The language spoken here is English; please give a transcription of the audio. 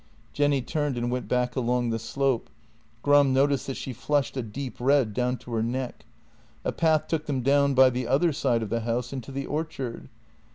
..." Jenny turned and went back along the slope. Gram noticed that she flushed a deep red down to her neck. A path took them down by the other side of the house into the orchard.